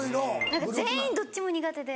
何か全員どっちも苦手で。